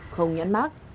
không nhãn mát